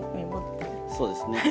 そうですね。